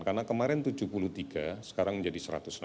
karena kemarin tujuh puluh tiga sekarang menjadi satu ratus enam belas